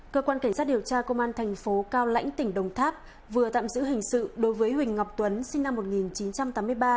cơ quan cảnh sát điều tra công an thành phố cao lãnh tỉnh đồng tháp vừa tạm giữ hình sự đối với huỳnh ngọc tuấn sinh năm một nghìn chín trăm tám mươi ba